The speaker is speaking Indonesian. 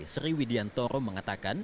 sri widiantoro mengatakan